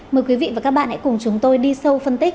mời quý vị và các bạn hãy cùng chúng tôi đi sâu phân tích